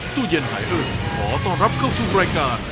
ตู้เย็นหายเริ่มขอต้อนรับเข้าสู่รายการ